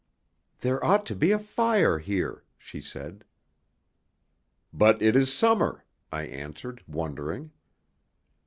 "There ought to be a fire here," she said. "But it is summer," I answered, wondering.